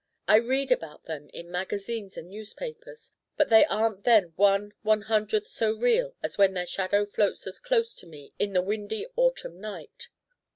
I read about them in magazines and newspapers, but they aren't then one one hundredth so real as when their shadow floats as close to me in the windy autumn night.